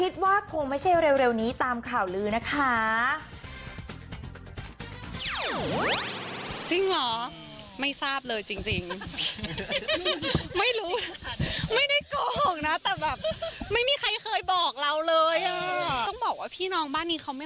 น่าจะอยากหลอกนะ